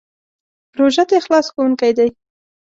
روژه د اخلاص ښوونکی دی.